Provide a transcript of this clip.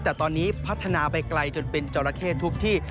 แต่ตอนนี้พัฒนาไปไกลจนเป็นจราเข้ทุกที่